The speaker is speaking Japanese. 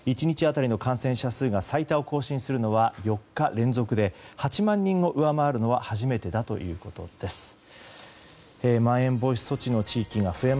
１日当たりの感染者数が最多を更新するのは４日連続で８万人を上回るのは初めてだということです。